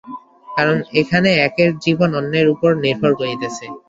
কারণ এখানে একের জীবন অন্যের মৃত্যুর উপর নির্ভর করিতেছে।